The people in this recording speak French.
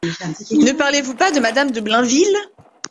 Ne parlez-vous pas de madame de Blainville ?